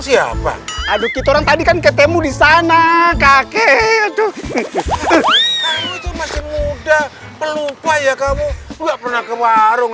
siapa aduh kita tadi kan ketemu di sana kakek itu muda pelupa ya kamu enggak pernah ke warung